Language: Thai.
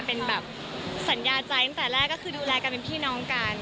เป็นแบบสัญญาใจตั้งแต่แรกก็คือดูแลกันเป็นพี่น้องกัน